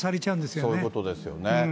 そういうことですよね。